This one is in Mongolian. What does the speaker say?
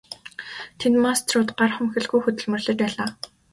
Тэнд мастерууд гар хумхилгүй хөдөлмөрлөж байлаа.